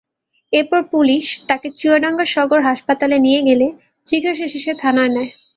এরপর পুলিশ তাকে চুয়াডাঙ্গা সদর হাসপাতালে নিয়ে চিকিৎসা শেষে থানায় নেয়।